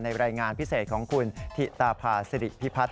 รายงานพิเศษของคุณถิตาพาสิริพิพัฒน